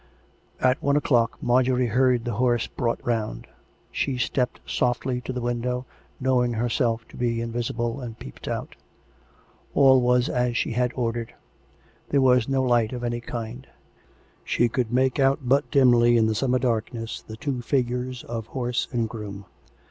COME ROPE! 403 At one o'clock Marjorie heard the horse brought round. She stepped softly to the window, knowing herself to be invisible, and peeped out. All was as she had ordered. There was no light of any kind: she could make out but dimly in the summer dark ness the two figures of horse and groom.